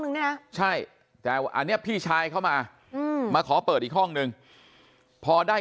เนี่ยนะใช่แต่อันนี้พี่ชายเข้ามาอืมมามาขอเปิดอีกห้องนึงพอได้